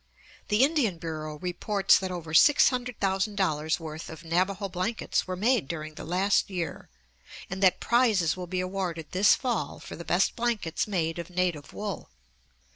The Indian Bureau reports that over $600,000 worth of Navajo blankets were made during the last year, and that prizes will be awarded this fall for the best blankets made of native wool.